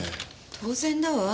当然だわ。